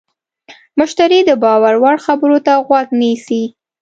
مشتری د باور وړ خبرو ته غوږ نیسي.